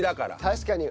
確かに。